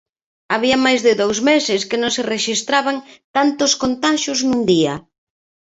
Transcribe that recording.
Había máis de dous meses que non se rexistraban tantos contaxios nun día.